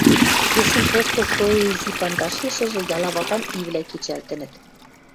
Кесӹн постол шоэ изи пандашешӹжӹ ялава гань ивлӓ кечӓлтӹнӹт.